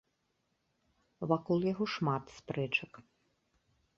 Вакол яго шмат спрэчак.